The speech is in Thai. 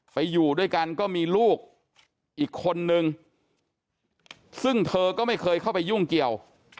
อยู่ด้วยกันก็มีลูกอีกคนนึงซึ่งเธอก็ไม่เคยเข้าไปยุ่งเกี่ยว